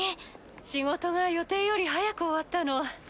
仕事が予定より早く終わったの。